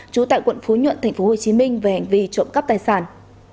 trú tại quận phú nhuận tp hcm về hành vi trộm cắp tài sản